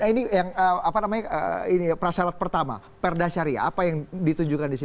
nah ini yang apa namanya prasyarat pertama perdah syariah apa yang ditunjukkan di sini